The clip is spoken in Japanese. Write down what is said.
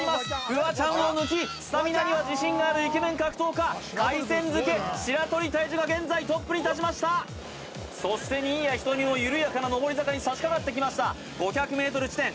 フワちゃんを抜きスタミナには自信があるイケメン格闘家海鮮漬け白鳥大珠が現在トップに立ちましたそして新谷仁美もゆるやかな上り坂にさしかかってきました５００ｍ地点